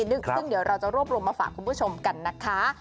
ซึ่งเดี๋ยวเราจะรวบรวมมาฝากคุณผู้ชมกันนะคะ